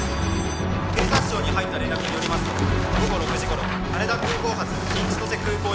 「警察庁に入った連絡によりますと午後６時頃羽田空港発新千歳空港行きの」